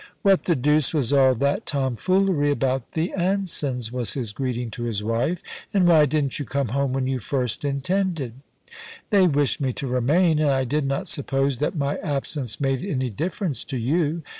*What the deuce was all that tomfoolery about the Ansons ?* was his greeting to his wife ;* and why didn't you come home when you first intended F * They wished me to remain, and I did not suppose that my absence made any difference to you.